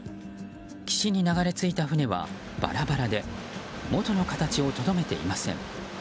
岸に流れ着いた船はバラバラで元の形をとどめていません。